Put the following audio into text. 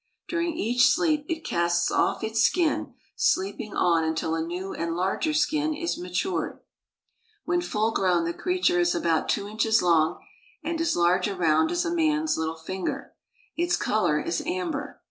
During each sleep it casts off its skin, sleeping on until a new and larger skin is matured. When full grown, the creature is about two inches long and as large around as a man's little finger. Its color is amber.